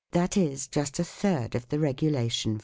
2 that is, just a third of the regu lation $.